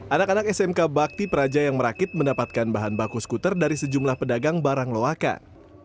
anak anak smk bakti praja yang merakit mendapatkan bahan baku skuter dari sejumlah pedagang barang loakan